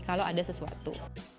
kalau ada sesuatu